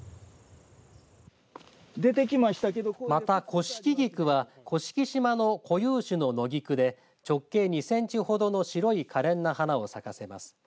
また、コシキギクは甑島の固有種の野菊で直径２センチほどの白いかれんな花を咲かせます。